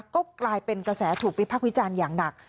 ก็กลายเป็นกระแสถูกวิพักษ์วิจารณ์อย่างหนัก